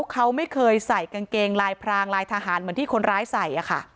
เขาไม่เคยใส่กางเกงลายพรางลายทหารเหมือนที่คนร้ายใส่